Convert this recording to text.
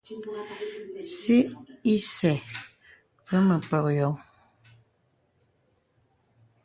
Sì isɛ̂ və mə pək yɔŋ.